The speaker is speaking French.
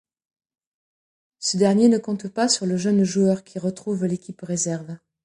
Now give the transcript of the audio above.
Ce dernier ne compte pas sur le jeune joueur qui retrouve l'équipe réserve.